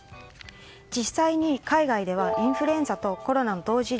実際に海外ではインフルエンザとコロナの同時